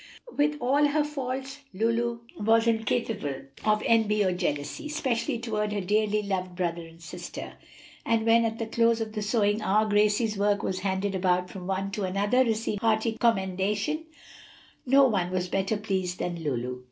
With all her faults Lulu was incapable of envy or jealousy, especially toward her dearly loved brother and sister, and when at the close of the sewing hour Gracie's work was handed about from one to another, receiving hearty commendation, no one was better pleased than Lulu.